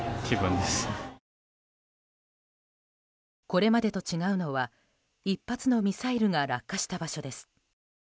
これまでと違うのは１発のミサイルが落下した場所です。